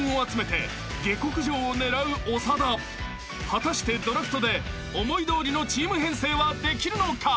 ［果たしてドラフトで思いどおりのチーム編成はできるのか？］